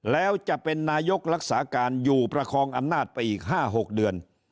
แล้วจะเป็นนายกรักษาการอยู่ประคองอำนาจไปอีก๕๖เดือน